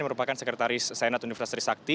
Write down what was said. merupakan sekretaris senat universitas trisakti